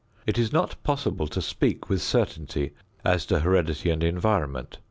It is not possible to speak with certainty as to heredity and environment.